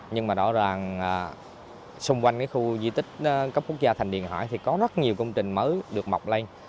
nhưng mà rõ ràng xung quanh cái khu di tích cấp quốc gia thành điện thoại thì có rất nhiều công trình mới được mọc lên